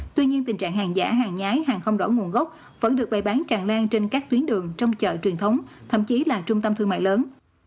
tuy nhiên tình trạng hàng giả hàng nhái hàng không rõ nguồn gốc vẫn được bày bán tràn lan trên các tuyến đường trong chợ truyền thống thậm chí là trung tâm thương mại lớn